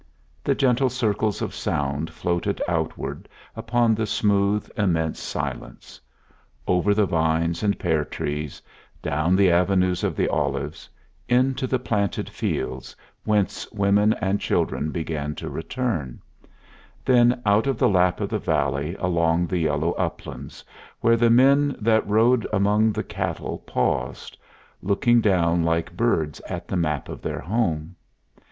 The gentle circles of sound floated outward upon the smooth, immense silence over the vines and pear trees; down the avenues of the olives; into the planted fields, whence women and children began to return; then out of the lap of the valley along the yellow uplands, where the men that rode among the cattle paused, looking down like birds at the map of their home.